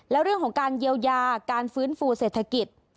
แล้วเรื่องของการเยียวยาการฟื้นฟูเศรษฐกิจ